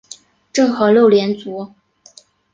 政和六年卒。